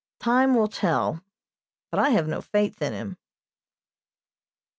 Time will tell but I have no faith in him.